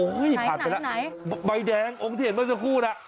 ก็พักไปละใบดแดงองค์ที่เห็นได้สักครู่ละ